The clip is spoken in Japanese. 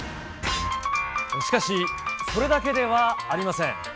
しかし、それだけではありません。